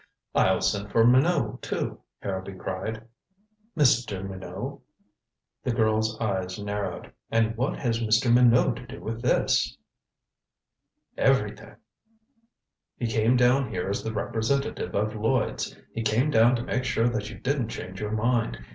"I'll send for Minot, too," Harrowby cried. "Mr. Minot?" The girl's eyes narrowed. "And what has Mr. Minot to do with this?" "Everything. He came down here as the representative of Lloyds. He came down to make sure that you didn't change your mind.